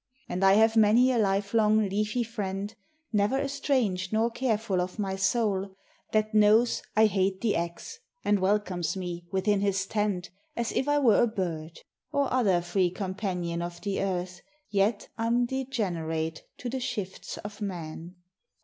And I have many a life long leafy friend, Never estranged nor careful of my soul, That knows I hate the axe, and welcomes me 14 UNDER THE WILLOWS. Within his tent as if I were a bird, Or other free companion of the earth, Yet undegenerate to the shifts of men.